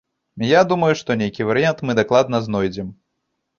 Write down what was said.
Я думаю, што нейкі варыянт мы дакладна знойдзем.